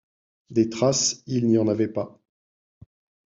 De traces, il n’y en avait pas.